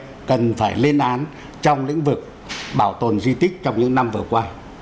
rút kinh nghiệm cần phải lên án trong lĩnh vực bảo tồn di tích trong những năm vừa qua